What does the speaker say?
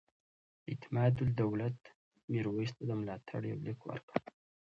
اعتمادالدولة میرویس ته د ملاتړ یو لیک ورکړ.